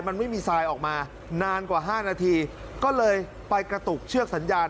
มันไม่มีทรายออกมานานกว่า๕นาทีก็เลยไปกระตุกเชือกสัญญาณ